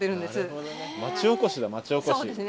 町おこしだ町おこし。